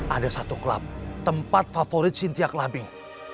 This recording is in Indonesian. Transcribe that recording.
ada satu klub tempat favorit sintia clubbing